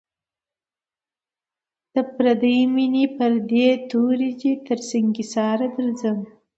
د پردۍ میني پردی تور دی تر سنگساره درځم